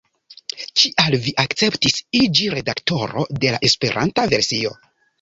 Kial vi akceptis iĝi redaktoro de la Esperanta versio?